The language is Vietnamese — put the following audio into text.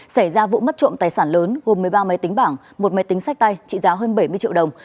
xảy ra vụ mất trộm tài sản lớn gồm một mươi ba máy tính bảng một máy tính sách tay trị giá hơn bảy mươi triệu đồng